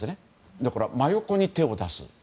だから真横に手を出す。